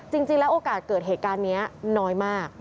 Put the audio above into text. จริงแล้วโอกาสเกิดเหตุการณ์นี้น้อยมาก